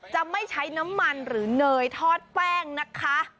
จะไม่ใช้น้ำมันหรือเนยทอดแป้งนะคะ